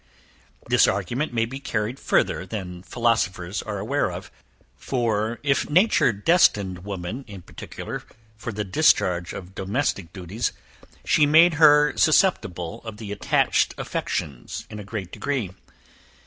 This argument may be carried further than philosophers are aware of, for if nature destined woman, in particular, for the discharge of domestic duties, she made her susceptible of the attached affections in a great degree.